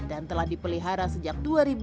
dan telah dipelihara sejak dua ribu enam belas